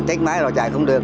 check máy rồi chạy không được